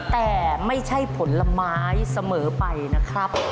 แต่ไม่ใช่ผลไม้เสมอไปนะครับ